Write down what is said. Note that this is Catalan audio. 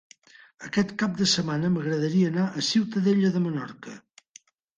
Aquest cap de setmana m'agradaria anar a Ciutadella de Menorca.